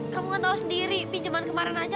kamu gak tau sendiri pinjaman kemarin aja